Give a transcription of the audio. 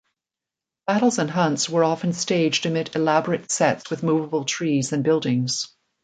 Battles and hunts were often staged amid elaborate sets with movable trees and buildings.